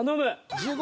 １５。